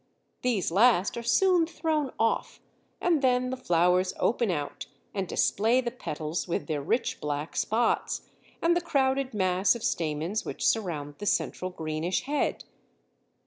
These last are soon thrown off, and then the flowers open out and display the petals with their rich black spots, and the crowded mass of stamens which surround the central greenish head.